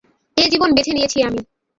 এ জীবন বেছে নিয়েছি আমি।